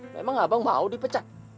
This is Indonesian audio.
memang abang mau dipecat